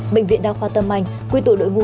bệnh viện đa khoa tâm anh quy tụ đội ngũ